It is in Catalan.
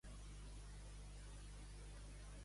Lord Northbrook es va casar dues vegades.